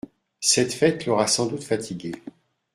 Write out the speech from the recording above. -cette fête l’aura sans doute fatigué !